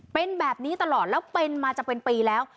เป็นแบบนี้ตลอดแล้วเป็นมาจะเป็นปีแล้ว